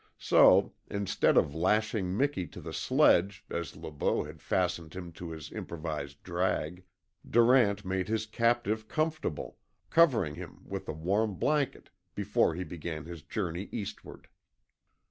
So, instead of lashing Miki to the sledge as Le Beau had fastened him to his improvised drag, Durant made his captive comfortable, covering him with a warm blanket before he began his journey eastward.